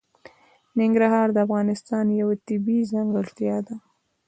ننګرهار د افغانستان یوه طبیعي ځانګړتیا ده.